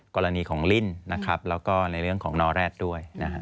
กรณีของลิ่นแล้วก็ในเรื่องของนอแรทด้วย